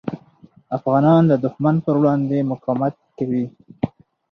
افغانان د دښمن پر وړاندې مقاومت کوي.